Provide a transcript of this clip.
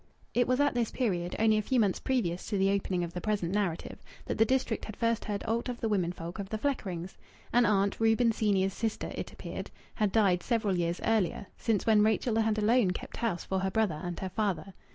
It was at this period only a few months previous to the opening of the present narrative that the district had first heard aught of the womenfolk of the Fleckrings. An aunt Reuben, senior's, sister, it appeared had died several years earlier, since when Rachel had alone kept house for her brother and her father.